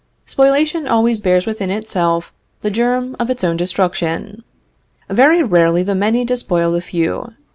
Spoliation always bears within itself the germ of its own destruction. Very rarely the many despoil the few.